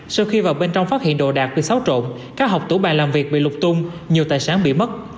sau khi vào bên trong phát hiện đồ đạc bị xáo trộn các học tủ bài làm việc bị lục tung nhiều tài sản bị mất